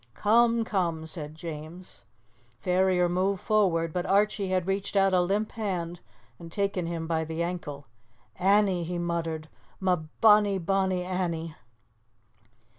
"Come, come," said James. Ferrier moved forward, but Archie had reached out a limp hand and taken him by the ankle. "Annie!" he muttered, "ma bonnie, bonnie Annie!"